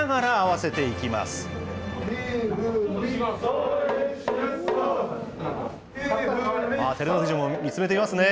それ、いち、に、照ノ富士も見つめていますね。